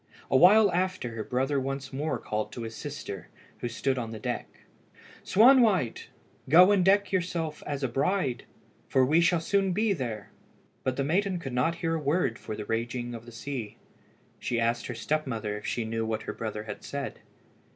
A while after her brother once more called to his sister, who stood on the deck "Swanwhite, go and deck yourself as a bride, for we shall soon be there." But the maiden could not hear a word for the raging of the sea. She asked her step mother if she knew what her brother had said.